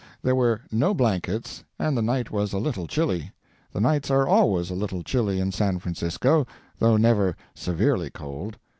There were no blankets, and the night was a little chilly; the nights are always a little chilly in San Francisco, though never severely cold.